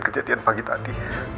kejadian pagi tadi